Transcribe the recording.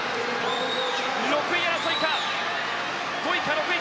６位争いか。